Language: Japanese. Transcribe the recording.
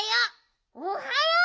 おはよう。